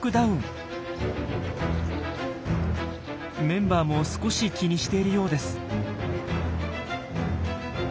メンバーも少し気にしているようです。